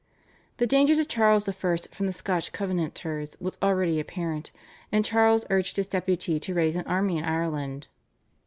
The danger to Charles I. from the Scotch Covenanters was already apparent, and Charles urged his Deputy to raise an army in Ireland.